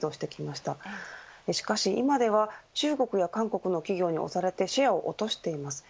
しかし今では、中国や韓国の企業に押されてシェアを落としています。